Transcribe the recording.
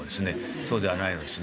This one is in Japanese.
そうではないのですね。